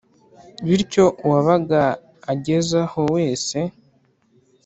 Bityo, uwabaga ageze aho wese,